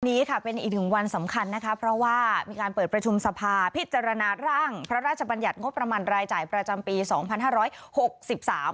นี้ค่ะเป็นอีกหนึ่งวันสำคัญนะคะเพราะว่ามีการเปิดประชุมสภาพิจารณาร่างพระราชบัญญัติงบประมาณรายจ่ายประจำปีสองพันห้าร้อยหกสิบสาม